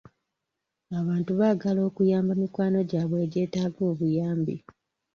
Abantu baagala okuyamba mikwano gyabwe egyetaaga obuyambi.